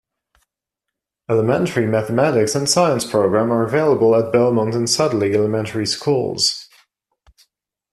Elementary Mathematics and Science Program are available at Belmont and Sudley elementary Schools.